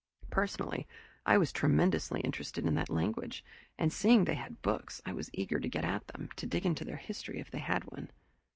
Personally, I was tremendously interested in that language, and seeing they had books, was eager to get at them, to dig into their history, if they had one.